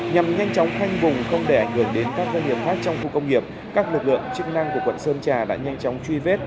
nhằm nhanh chóng khoanh vùng không để ảnh hưởng đến các doanh nghiệp khác trong khu công nghiệp các lực lượng chức năng của quận sơn trà đã nhanh chóng truy vết